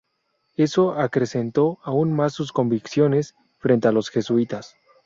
Eso acrecentó aún más sus convicciones frente a los jesuitas.